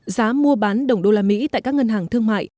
giá mua bán đồng đô la mỹ tại các ngân hàng thương mại